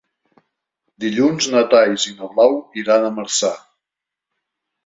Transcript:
Dilluns na Thaís i na Blau iran a Marçà.